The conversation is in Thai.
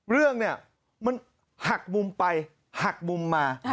เรื่องเนี่ยมันหักมุมไปหักมุมมา